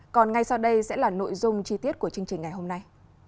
còn ngay sau đây sẽ là nội dung chi tiết của chương trình ngày hôm nay